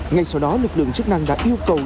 ngay sau đó lực lượng chức năng đã yêu cầu